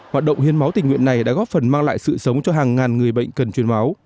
hoạt động hiến máu tình nguyện này đã góp phần mang lại sự sống cho hàng ngàn người bệnh cần truyền máu